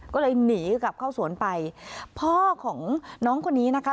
ก็เลยหนีกลับเข้าสวนไปพ่อของน้องคนนี้นะคะ